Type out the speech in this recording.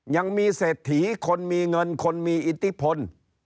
ยังมีเศรษฐีคนมีเงินคนมีอิทธิพล